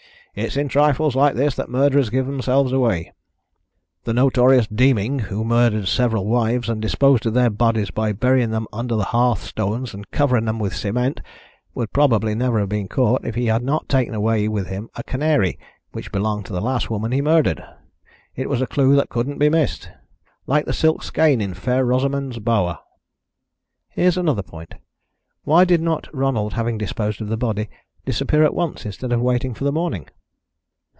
"It's in trifles like this that murderers give themselves away. The notorious Deeming, who murdered several wives, and disposed of their bodies by burying them under hearthstones and covering them with cement, would probably never have been caught if he had not taken away with him a canary which belonged to the last woman he murdered. It was a clue that couldn't be missed like the silk skein in Fair Rosamond's Bower." "Here's another point: why did not Ronald, having disposed of the body, disappear at once, instead of waiting for the morning?"